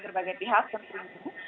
berbagai pihak tersebut